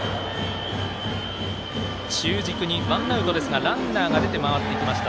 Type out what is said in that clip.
中軸にワンアウトですがランナーが出て回ってきました。